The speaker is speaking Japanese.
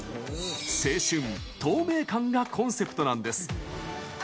青春・透明感がコンセプトなんです。